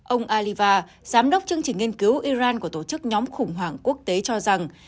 ông aliva giám đốc chương trình nghiên cứu iran của tổ chức nhóm khủng hoảng quốc tế cho rằng